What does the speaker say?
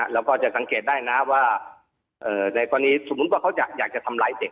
เราก็จะสังเกตได้นะว่าในกรณีสมมุติว่าเขาอยากจะทำร้ายเด็ก